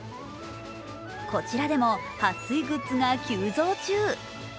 こちらでもはっ水グッズが急増中。